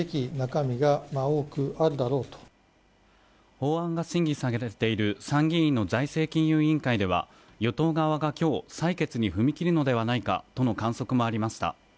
法案が審議されている参議院の財政金融委員会では、与党側が今日採決に踏み切るのではないかとの観測もありました。